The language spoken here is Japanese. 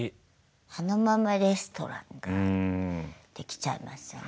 あのままレストランができちゃいますよね。